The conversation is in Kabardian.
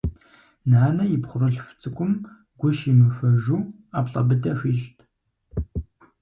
Нанэ и пхъурылъху цӏыкӏум гу щимыхуэжу ӏэплӏэ быдэ хуищӏт.